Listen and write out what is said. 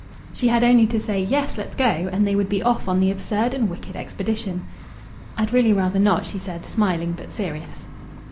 She had only to say "Yes, let's go," and they would be off on the absurd and wicked expedition. "I'd really rather not," she said, smiling, but serious.